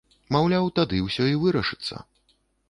Маўляў, тады ўсё і вырашыцца.